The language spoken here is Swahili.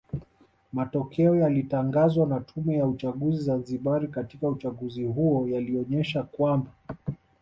Matokeo yaliyatangazwa na Tume ya uchaguzi Zanzibari katika uchaguzi huo yalionesha kwamba